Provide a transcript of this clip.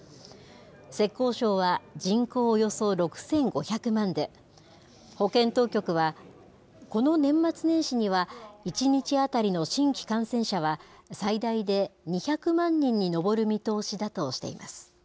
浙江省は人口およそ６５００万で、保健当局は、この年末年始には１日当たりの新規感染者は、最大で２００万人に上る見通しだとしています。